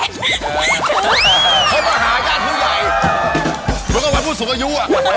เขามาหาญาติผู้ใหญ่เหมือนกับเป็นผู้สูงอายุอ่ะ